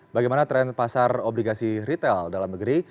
bagaimana tren pasar obligasi retail dalam negeri